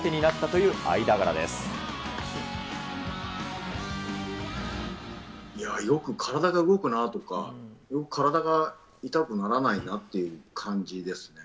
いや、よく体が動くなとか、よく体が痛くならないなっていう感じですね。